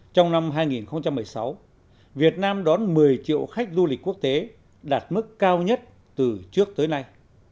trong năm hai nghìn một mươi sáu việt nam đón một mươi triệu khách du lịch quốc tế đạt mức cao nhất từ trước tới nay